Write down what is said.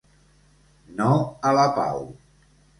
No a la pau.